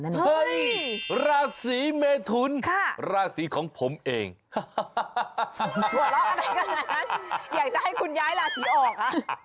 หัวเราะอะไรกันนะอยากจะให้คุณย้ายราศีออก